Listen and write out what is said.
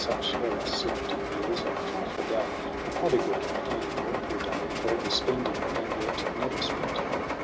Such Eros seemed in years, a trifler gay. The prodigal of an immortal day For ever spending, and yet never spent.